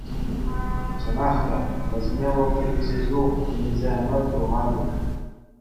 Чӑнах та, вӗсене вӑл темиҫе ҫул, темиҫе ӗмӗр курман пек.